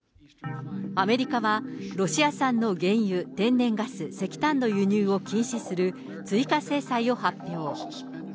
アメリカはロシア産の原油、天然ガス、石炭の輸入を禁止する、追加制裁を発表。